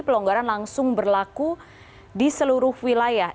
pelonggaran langsung berlaku di seluruh wilayah